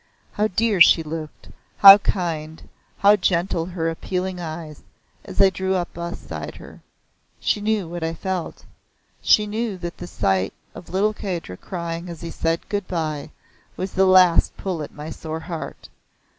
How dear she looked, how kind, how gentle her appealing eyes, as I drew up beside her. She knew what I felt. She knew that the sight of little Kahdra crying as he said good bye was the last pull at my sore heart.